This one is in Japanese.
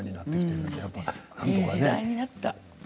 いい時代になった。